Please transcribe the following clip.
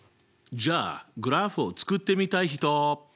じゃあグラフを作ってみたい人？